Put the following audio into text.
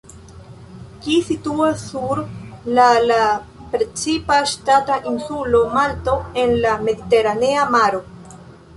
Ĝi situas sur la la precipa ŝtata insulo Malto en la Mediteranea Maro.